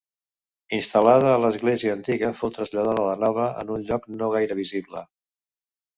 Instal·lada a l'església antiga fou traslladada a la nova, en un lloc no gaire visible.